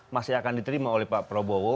masih akan diterima oleh pak prabowo